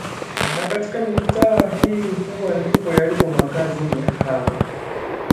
Na katika mitaa hii huwa ndipo yalipo makazi ya hao